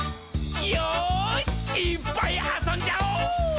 よーし、いーっぱいあそんじゃお！